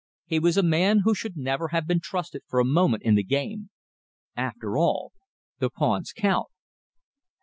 He was a man who should never have been trusted for a moment in the game. After all, the pawns count...."